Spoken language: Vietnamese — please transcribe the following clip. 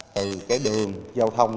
từ cái đường giao thông